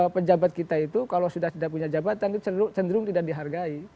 pejabat kita itu kalau sudah tidak punya jabatan itu cenderung tidak dihargai